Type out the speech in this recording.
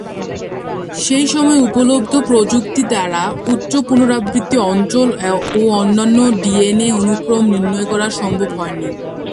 সেই সময়ে উপলব্ধ প্রযুক্তি দ্বারা উচ্চ পুনরাবৃত্তি অঞ্চল ও অন্যান্য ডিএনএ অনুক্রম নির্ণয় করা সম্ভব হয়নি।